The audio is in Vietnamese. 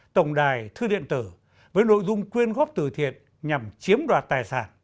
tổng đài thư điện tử với nội dung quyên góp từ thiện nhằm chiếm đoạt tài sản